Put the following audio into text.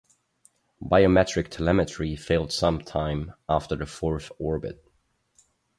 Biometric telemetry failed sometime after the fourth orbit.